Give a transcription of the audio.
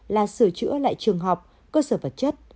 là sửa chữa lại trường học cơ sở vật chất